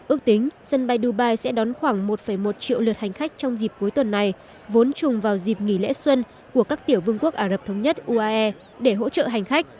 ước tính sân bay dubai sẽ đón khoảng một một triệu lượt hành khách trong dịp cuối tuần này vốn trùng vào dịp nghỉ lễ xuân của các tiểu vương quốc ả rập thống nhất uae để hỗ trợ hành khách